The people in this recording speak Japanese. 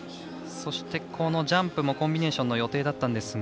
そして、ジャンプもコンビネーションの予定でしたが。